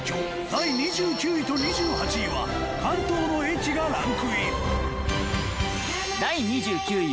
第２９位と２８位は関東の駅がランクイン。